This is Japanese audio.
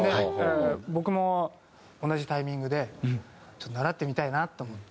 僕も同じタイミングでちょっと習ってみたいなと思って。